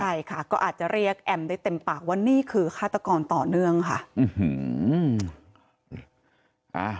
ใช่ค่ะก็อาจจะเรียกแอมได้เต็มปากว่านี่คือฆาตกรต่อเนื่องค่ะ